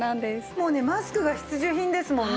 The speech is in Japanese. もうねマスクが必需品ですもんね。